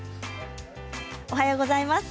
おはようございます。